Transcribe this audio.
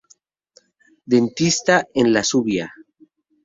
Dentista en la zubia